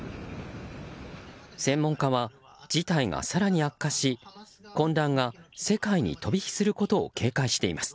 専門家は事態が更に悪化し混乱が世界に飛び火することを警戒しています。